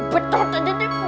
betot aja dia